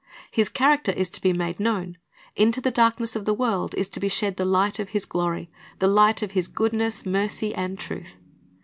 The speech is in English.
His character is to be made known. Into the darkness of the world is to be shed the Hglit of His glory, the light of His goodness, mercy, and truth.